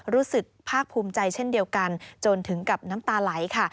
รู้สึกภาคภูมิใจเช่นเดียวกันจนถึงกับน้ำตาไหลค่ะ